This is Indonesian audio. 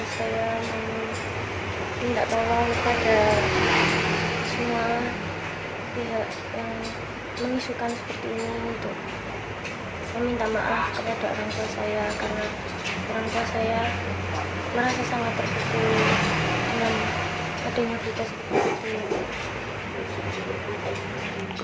saya tidak tolong pada semua pihak yang mengisukan seperti ini untuk meminta maaf kepada orang tua saya karena orang tua saya merasa sangat berkebutuhan dengan adonan kita